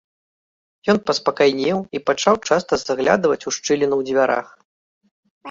Ён паспакайнеў і пачаў часта заглядваць у шчыліну ў дзвярах.